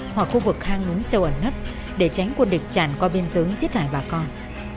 hoặc khu vực hang núm sâu ẩn nấp để tránh quân địch chản qua biên xứng giết lại bà con